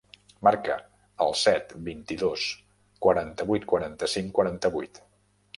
Marca el set, vint-i-dos, quaranta-vuit, quaranta-cinc, quaranta-vuit.